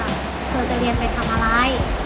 พี่แกจะเรียนเป็นทำอะไร